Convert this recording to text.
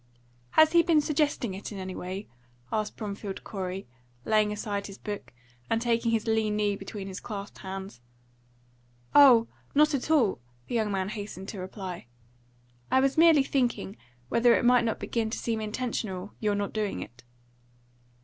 "Has he been suggesting it in any way?" asked Bromfield Corey, laying aside his book and taking his lean knee between his clasped hands. "Oh, not at all!" the young man hastened to reply. "I was merely thinking whether it might not begin to seem intentional, your not doing it."